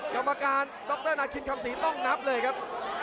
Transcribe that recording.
กรรมการธ์ดรหนาดขึ้นคำสีต้องนับเลยครับ